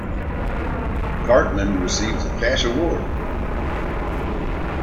Cartman receives a cash reward.